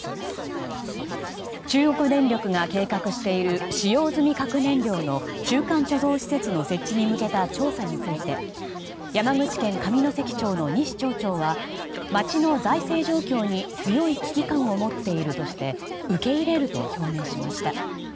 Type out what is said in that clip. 中国電力が計画している使用済み核燃料の中間貯蔵施設の設置に向けた調査について山口県上関町の西町長は町の財政状況に強い危機感を持っているとして受け入れると表明しました。